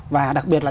và đặc biệt là